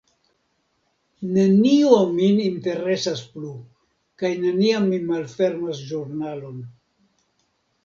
Nenio min interesas plu; kaj neniam mi malfermas ĵurnalon.